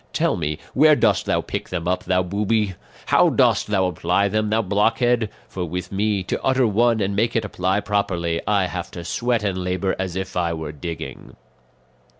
Tell me, where dost thou pick them up, thou booby? How dost thou apply them, thou blockhead? For with me, to utter one and make it apply properly, I have to sweat and labour as if I were digging."